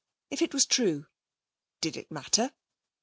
If it was true, did it matter?